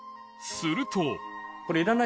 するとえ！